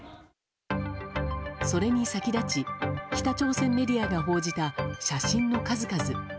それに先立ち、北朝鮮メディアが報じた写真の数々。